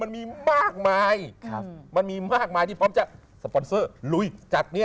มันมีมากมายมันมีมากมายที่พร้อมจะสปอนเซอร์ลุยจากนี้